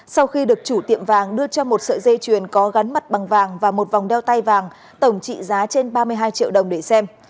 sau khi được chủ tiệm vàng đưa cho một sợi dây chuyền có gắn mặt bằng vàng và một vòng đeo tay vàng tổng trị giá trên ba mươi hai triệu đồng để xem